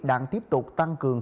đảng tiếp tục tăng cường kinh tế